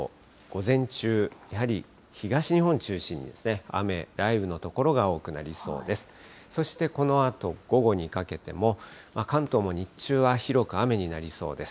午前中、やはり東日本中心に雨、雷雨の所が多くなりそうです。